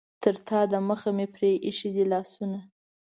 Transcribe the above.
تر تا دمخه مې پرې ایښي دي لاسونه.